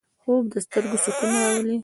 خوب د سترګو سکون راولي